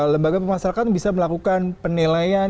lembaga pemasarakan bisa melakukan penilaian